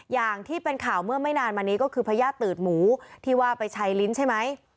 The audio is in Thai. อย่างที่เป็นข่าวเมื่อไม่นานมานี้ก็คือพญาติตืดหมูที่ว่าไปใช้ลิ้นใช่ไหม